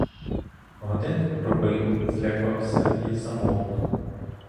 Годинник пробив, злякався й змовк.